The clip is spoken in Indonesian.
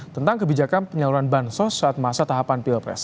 tentang kebijakan penyaluran bansos saat masa tahapan pilpres